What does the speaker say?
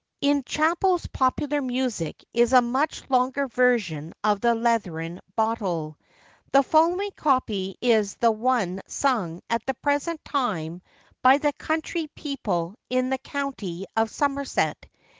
[IN Chappell's Popular Music is a much longer version of The Leathern Bottèl. The following copy is the one sung at the present time by the country people in the county of Somerset.